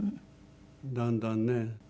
だんだんね。